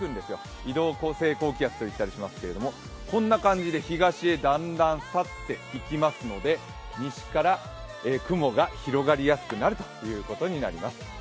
移動性高気圧といったりしますけれどもこんな感じで東へだんだん去って行きますので西から雲が広がりやすくなるということになります。